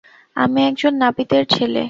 আমি একজন নাপিতের ছেলে।